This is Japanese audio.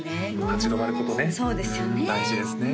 立ち止まることね大事ですね